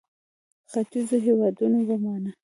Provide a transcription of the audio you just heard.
ختیځو هېوادونو ومانه.